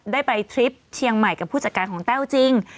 ได้ไปทริปเชียงใหม่กับผู้จัดการของแต้วจริง